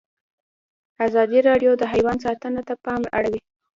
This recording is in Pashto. ازادي راډیو د حیوان ساتنه ته پام اړولی.